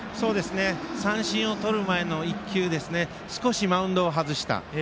三振をとる前の１球少しマウンドを外した。